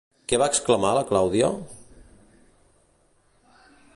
Què va exclamar la Clàudia?